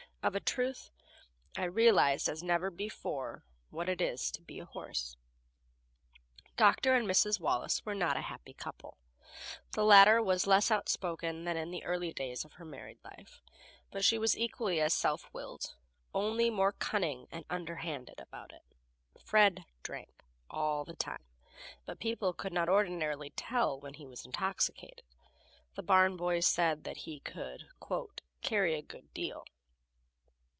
Of a truth, I realized as never before what it is to be a horse. Dr. and Mrs. Wallace were not a happy couple. The latter was less outspoken than in the early days of her married life, but she was equally as self willed, only more cunning and underhanded about it. Fred drank all the time, but people could not ordinarily tell when he was intoxicated. The barn boys said he could "carry a good deal."